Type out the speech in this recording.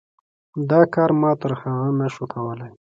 دا کار ما تر هغه نه شو کولی.